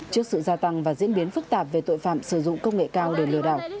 trước sự gia tăng và diễn biến phức tạp về tội phạm sử dụng công nghệ cao để lừa đảo